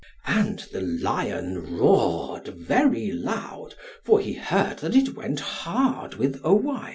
And the lion roared very loud, for he heard that it went hard with Owain.